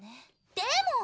でも！